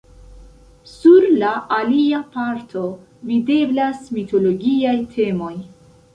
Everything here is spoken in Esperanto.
Sur la alia parto videblas mitologiaj temoj.